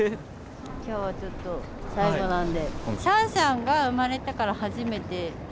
きょうはちょっと最後なんで。